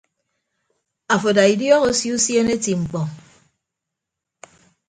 Afo ada idiọk osio usiene eti mkpọ.